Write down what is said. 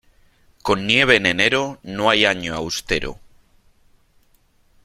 Con nieve en enero, no hay año austero.